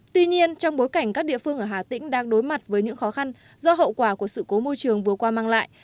tuy nhiên trong bối cảnh các địa phương ở hà tĩnh đang đối mặt với những khó khăn do hậu quả của sự cố môi trường vừa qua mang lại